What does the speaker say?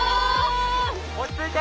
落ち着いて！